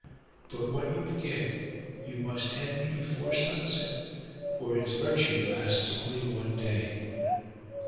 But what you begin you must end before sunset, for its virtue lasts only one day.